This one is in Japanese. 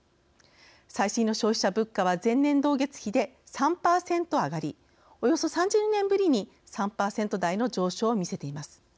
最新の消費者物価は前年同月比で３％上がりおよそ３０年ぶりに３％台の上昇を見せています。